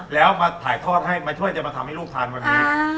แล้วมาถ่ายทอดให้มาช่วยจะมาทำให้ลูกทานวันนี้